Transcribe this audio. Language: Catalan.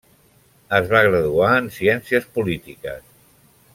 Es va graduar en ciències polítiques.